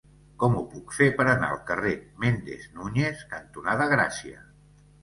Com ho puc fer per anar al carrer Méndez Núñez cantonada Gràcia?